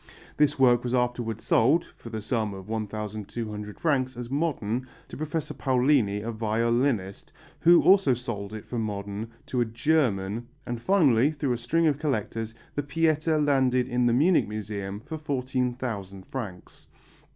This work was afterwards sold (for the sum of 1200 francs), as modern, to Professor Paolini, a violinist, who also sold it for modern to a German, and finally, through a string of collectors, the Pietà landed in the Munich Museum for 14,000 francs.